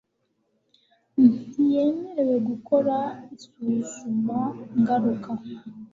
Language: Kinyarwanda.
ntiyemerewe gukora isuzumangaruka